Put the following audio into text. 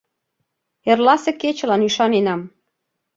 Эрласе кечылан ӱшаненам.